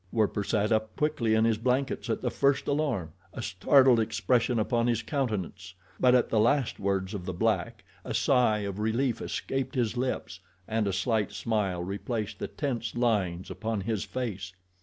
Werper sat up quickly in his blankets at the first alarm, a startled expression upon his countenance; but at the last words of the black a sigh of relief escaped his lips and a slight smile replaced the tense lines upon his face.